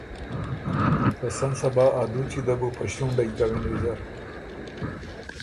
ته سن صبا ا دُوچی ده بو په ݭُونډئ کَوِن ویزر۔